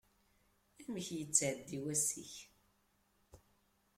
Amek yettεeddi wass-ik?